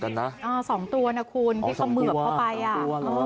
กลับด้านหลักหลักหลักหลัก